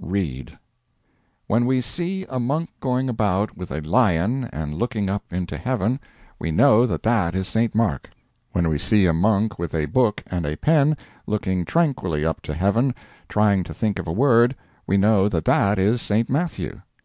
Read: When we see a monk going about with a lion and looking up into heaven, we know that that is St. Mark. When we see a monk with a book and a pen, looking tranquilly up to heaven, trying to think of a word, we know that that is St. Matthew.